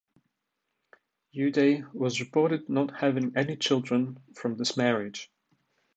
Uday was reported not having any children from his marriage.